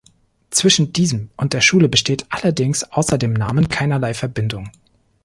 Zwischen diesem und der Schule besteht allerdings außer dem Namen keinerlei Verbindung.